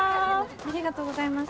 ありがとうございます。